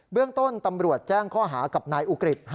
เรื่องต้นตำรวจแจ้งข้อหากับนายอุกฤษ